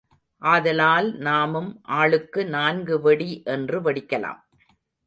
ஆதலால் நாமும் ஆளுக்கு நான்கு வெடி என்று வெடிக்கலாம்.